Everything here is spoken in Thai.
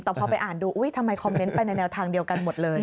แต่พอไปอ่านดูอุ๊ยทำไมคอมเมนต์ไปในแนวทางเดียวกันหมดเลย